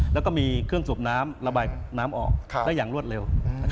แล้วก็มีเครื่องสูบน้ำระบายน้ำออกได้อย่างรวดเร็ว